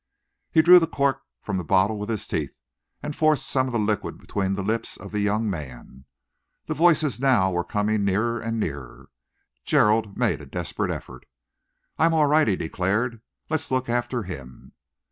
He drew the cork from the bottle with his teeth and forced some of the liquid between the lips of the young man. The voices now were coming nearer and nearer. Gerald made a desperate effort. "I am all right," he declared. "Let's look after him."